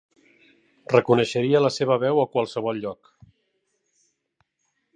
Reconeixeria la seva veu a qualsevol lloc.